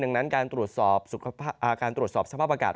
ดังนั้นการตรวจสอบสภาพอากาศ